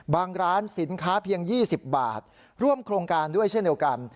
ร้านสินค้าเพียง๒๐บาทร่วมโครงการด้วยเช่นเดียวกัน